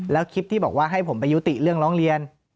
แล้วคลิปที่บอกว่าให้ผมไปยุติเรื่องร้องเรียน